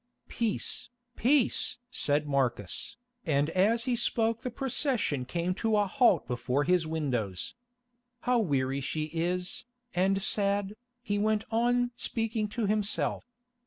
"Peace, peace!" said Marcus, and as he spoke the procession came to a halt before his windows. "How weary she is, and sad," he went on speaking to himself.